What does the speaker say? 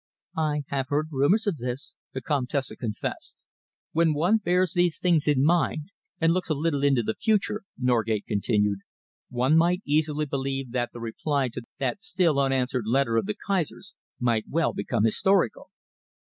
"I have heard rumours of this," the Comtesse confessed. "When one bears these things in mind and looks a little into the future," Norgate continued, "one might easily believe that the reply to that still unanswered letter of the Kaiser's might well become historical."